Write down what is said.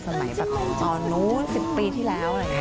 สมัยตอนนู้นสิบปีที่แล้ว